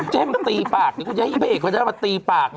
เจ๊มตีปากนี่ก็จะให้พระเอกเขาจะมาตีปาก